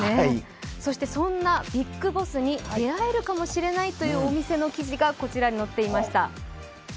そんなビッグボスに出会えるかもしれないというお店の記事がこちらに載っていました。